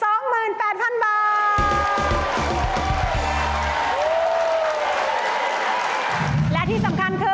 และที่สำคัญคือไถ่ของสำเร็จ